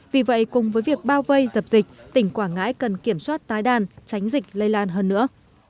vì vậy cùng với việc bao vây dập dịch tỉnh quảng ngãi cần kiểm soát tái đàn tránh dịch lây lan hơn nữa